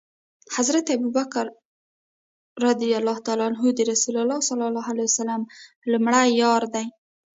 حضرت ابوبکر ص د رسول الله ص لمړی یار دی